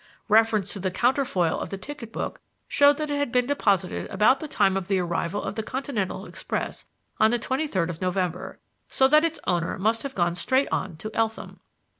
Reference to the counterfoil of the ticket book showed that it had been deposited about the time of the arrival of the Continental express on the twenty third of November, so that its owner must have gone straight on to Eltham.